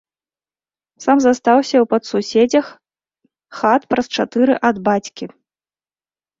Сам застаўся ў падсуседзях, хат праз чатыры ад бацькі.